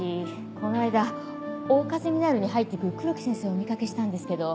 この間桜花ゼミナールに入って行く黒木先生をお見掛けしたんですけど。